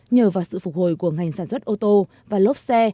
nhờ vào sự phục hồi của ngành sản xuất ô tô và lốp xe